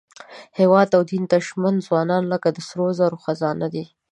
هېواد او دین ته ژمن ځوانان لکه د سرو زرو خزانه دي.